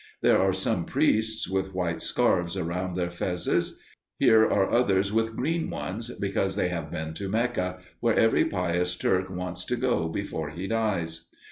There are some priests with white scarfs round their fezzes; here are others with green ones, because they have been to Mecca, where every pious Turk wants to go before he dies.